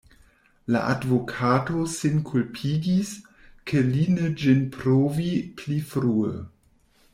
La advokato sin kulpigis, ke li ne ĝin provi pli frue.